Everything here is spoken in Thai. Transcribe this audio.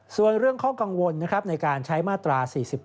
ส่วนเรื่องข้อกังวลในการใช้มาตรา๔๔